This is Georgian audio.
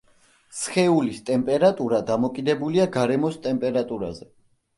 სხეულის ტემპერატურა დამოკიდებულია გარემოს ტემპერატურაზე.